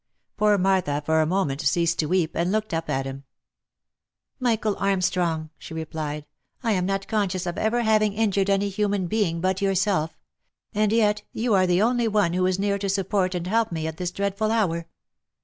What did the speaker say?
Poor Martha for a moment ceased to weep, and looked up at him. " Michael Armstrong !" she replied, " I am not conscious of ever having injured any human being but yourself; and yet you are the only one who is near to support and help me at this dreadful hour.